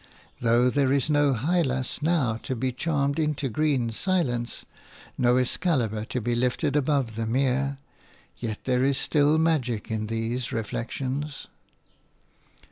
Though there is no Hylas now to be charmed into the green silence, no Excalibur to be lifted above the mere, yet there is still magic in these reflections.